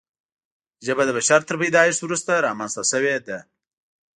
ژبه د بشر تر پیدایښت وروسته رامنځته شوې ده.